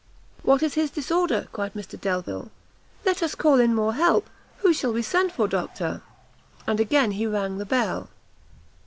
"What is his disorder?" cried Mr Delvile; "let us call in more help; who shall we send for, doctor?" And again he rang the bell.